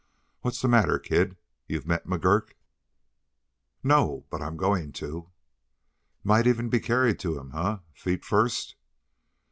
What's the matter, kid; you've met McGurk?" "No, but I'm going to." "Might even be carried to him, eh feet first?"